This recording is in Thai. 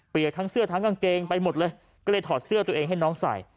ทั้งเสื้อทั้งกางเกงไปหมดเลยก็เลยถอดเสื้อตัวเองให้น้องใส่